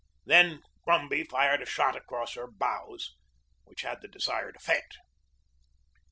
Then Brumby fired a shot across her bows, which had the desired effect.